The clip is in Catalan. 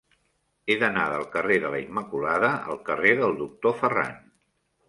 He d'anar del carrer de la Immaculada al carrer del Doctor Ferran.